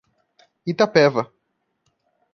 Itapeva